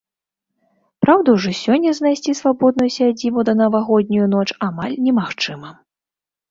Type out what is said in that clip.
Праўда, ужо сёння знайсці свабодную сядзібу на навагоднюю ноч амаль немагчыма.